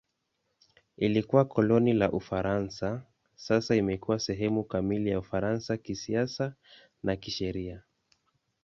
Ilikuwa koloni la Ufaransa; sasa imekuwa sehemu kamili ya Ufaransa kisiasa na kisheria.